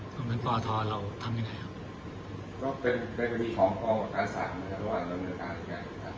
ต้องเห็นปอทรเราทำยังไงครับเขามองกับอาสาบในรอบรัฐการอย่างไงนะครับ